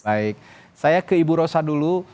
baik saya ke ibu rosa dulu